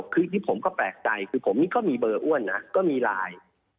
คือที่ผมก็แปลกใจคือผมนี่ก็มีเบอร์อ้วนนะก็มีไลน์